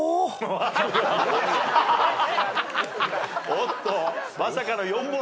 おっと。